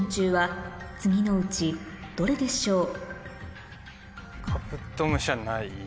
次のうちどれでしょう？